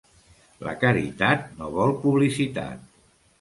La caritat no vol publicitat.